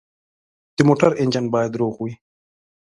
د موټر انجن باید روغ وي.